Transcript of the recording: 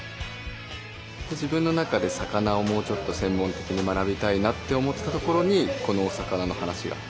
自分の中で魚をもうちょっと専門的に学びたいなって思ってたところにこのお魚の話が。